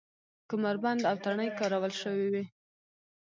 کمربند او تڼۍ کارول شوې وې.